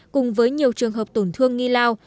cùng với nhiều trường hợp tổn thương nghi lao